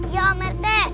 iya om rt